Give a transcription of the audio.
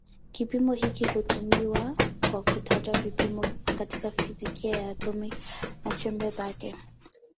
Kipimo hiki hutumiwa kwa kutaja vipimo katika fizikia ya atomi na chembe zake.